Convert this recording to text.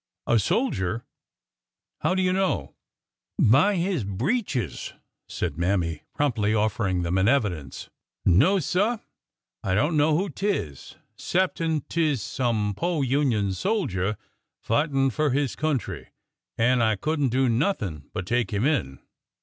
A soldier ? How do you know ?" By his breeches,'' said Mammy, promptly offering them in evidence. '' No, sir ; I don't know who 't is, 'cep'n' 't is some po' Union soldier fightin' fur his country, an' I could n' do nothin' but take him in.